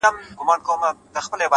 • په دې کورکي رنګ په رنګ وه سامانونه ,